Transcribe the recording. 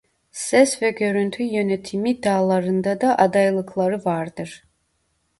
Ses ve görüntü yönetimi dallarında da adaylıkları vardır.